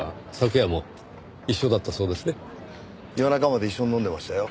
夜中まで一緒に飲んでましたよ。